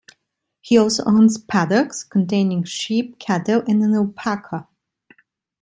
He also owns paddocks containing sheep, cattle and an alpaca.